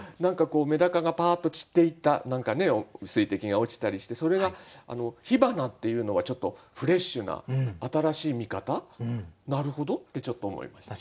めだかがパーッと散っていった水滴が落ちたりしてそれが「火花」っていうのはちょっとフレッシュな新しい見方なるほどってちょっと思いましたね。